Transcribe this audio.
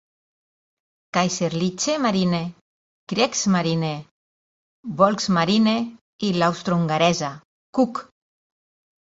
Kaiserliche Marine, Kriegsmarine, Volksmarine i l'Austrohongaresa K.u.K.